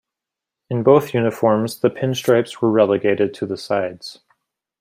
In both uniforms, the pinstripes were relegated to the sides.